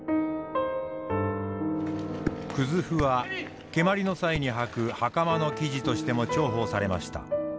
葛布は蹴鞠の際にはく袴の生地としても重宝されました。